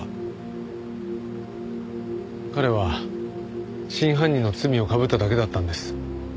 彼は真犯人の罪をかぶっただけだったんです。